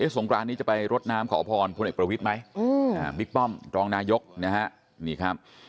สงครานนี้จะไปรดน้ำขอพรพลเอกประวิทย์ไหมบิ๊กป้อมรองนายกนะฮะนี่ครับ